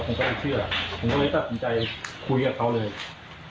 แกเชื่อผมก็เลยตัดสินใจคุยกับเขาเลย